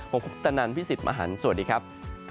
ผมคุปตะนันพี่สิทธิ์มหันฯสวัสดีครับ